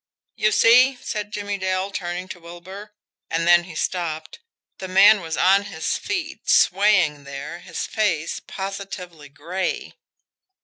"You see," said Jimmie Dale, turning to Wilbur and then he stopped. The man was on his feet, swaying there, his face positively gray.